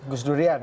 gus durian itu ya